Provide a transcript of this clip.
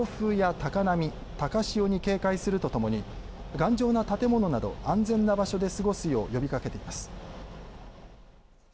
それに、暴風や高波高潮に警戒するとともに頑丈な建物など安全な場所で過ごすよう呼びかけています。